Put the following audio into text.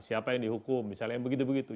siapa yang dihukum misalnya begitu begitu